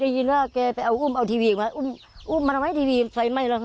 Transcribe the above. ได้ยินว่าแกไปเอาอุ้มเอาทีวีออกมาอุ้มอุ้มมาทำไมทีวีไฟไหม้แล้วค่ะ